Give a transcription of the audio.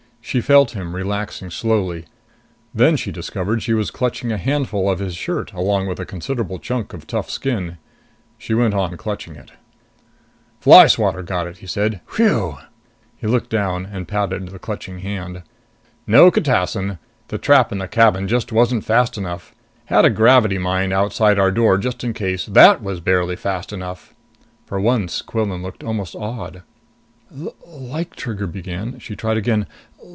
She felt him relaxing slowly. Then she discovered she was clutching a handful of his shirt along with a considerable chunk of tough skin. She went on clutching it. "Fly swatter got it!" he said. "Whew!" He looked down and patted the clutching hand. "No catassin! The trap in the cabin just wasn't fast enough. Had a gravity mine outside our door, just in case. That was barely fast enough!" For once, Quillan looked almost awed. "L l l like " Trigger began. She tried again.